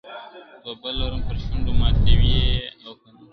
توبه لرم پر شونډو ماتوې یې او که نه ..